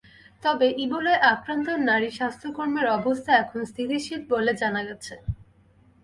তবে ইবোলায় আক্রান্ত নারী স্বাস্থ্যকর্মীর অবস্থা এখন স্থিতিশীল বলে জানা গেছে।